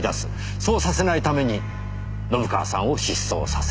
そうさせないために信川さんを失踪させた。